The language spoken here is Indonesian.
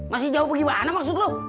masih jauh pergi mana maksud lu